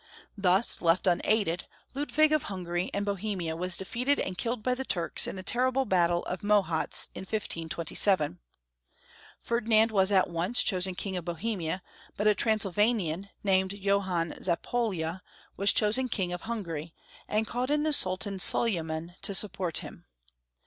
Thus left unaided, Ludwig of Hungary and Bo hemia was defeated and killed by the Turks in the terrible battle of Mohatz, in 1527. Ferdinand was at once chosen King of Bohemia, but a Transylvanian, named Johann Zapoyla, was chosen King of Hun gary, and called in the Sultan Solyman to support him.